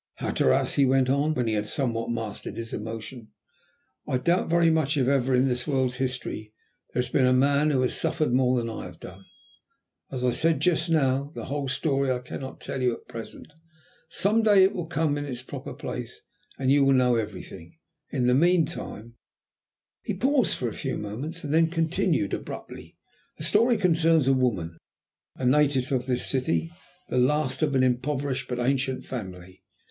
"Hatteras," he went on, when he had somewhat mastered his emotion, "I doubt very much if ever in this world's history there has been a man who has suffered more than I have done. As I said just now, the whole story I cannot tell you at present. Some day it will come in its proper place and you will know everything. In the meantime " He paused for a few moments and then continued abruptly "The story concerns a woman, a native of this city; the last of an impoverished, but ancient family.